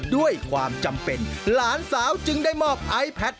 ด้วยความจำเป็นหลานสาวจึงได้มอบไอแพทย์